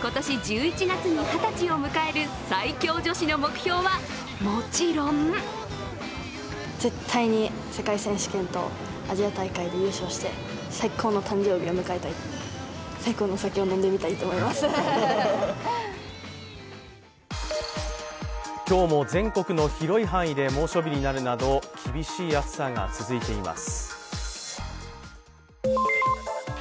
今年１１月に二十歳を迎える最強女子の目標はもちろん今日も全国の広い範囲で猛暑日になるなど厳しい暑さが続いています。